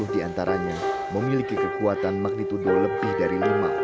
tiga ratus enam puluh diantaranya memiliki kekuatan magnitudo lebih dari lima